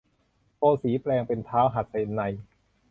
โกสีย์แปลงเป็นท้าวหัสนัยน์